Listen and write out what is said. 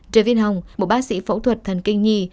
david hong một bác sĩ phẫu thuật thần kinh nhì